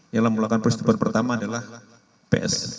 yang melakukan peristiwa pertama adalah ps